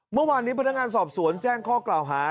เมื่อวานนี้พนักงานสอบสวนแจ้งข้อกล่าวหา